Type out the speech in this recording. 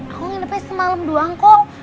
aku nginepnya semalam doang kok